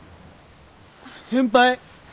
先輩！？